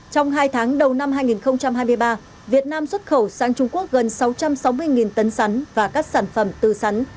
trong hai tháng đầu năm hai nghìn hai mươi ba việt nam xuất khẩu sang trung quốc gần sáu trăm sáu mươi tấn sắn và các sản phẩm tư sắn